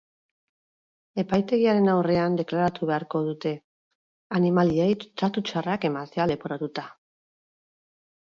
Epaitegiaren aurrean deklaratu beharko dute, animaliei tratu txarrak emtea leporatuta.